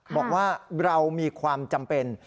บอกว่าเรามีความจำเป็น